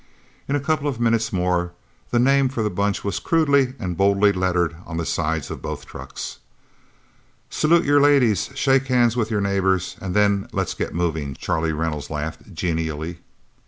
In a couple of minutes more, the name for the Bunch was crudely and boldly lettered on the sides of both trucks. "Salute your ladies, shake hands with your neighbors, and then let's get moving," Charlie Reynolds laughed genially.